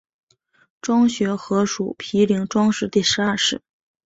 庄学和属毗陵庄氏第十二世。